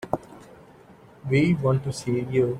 We want to see you.